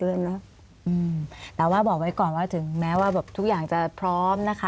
อืมแต่ว่าบอกไว้ก่อนว่าถึงแม้ว่าแบบทุกอย่างจะพร้อมนะคะ